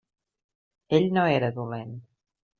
Ell no era dolent.